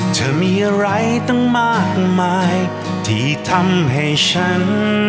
เธอมีอะไรตั้งมากมายที่ทำให้ฉัน